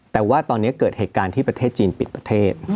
แต่ว่าตอนนี้เกิดเหตุการณ์ที่ประเทศจีนปิดประเทศ